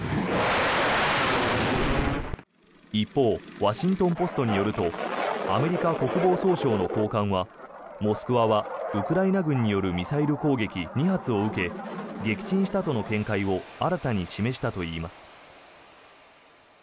一方ワシントン・ポストによるとアメリカ国防総省の高官は「モスクワ」はウクライナ軍によるミサイル攻撃２発を受け撃沈したとの見解を新たに示したといいます。